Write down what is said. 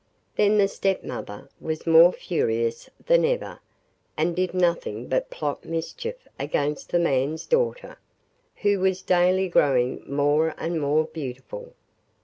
Then the stepmother was more furious than ever, and did nothing but plot mischief against the man's daughter, who was daily growing more and more beautiful.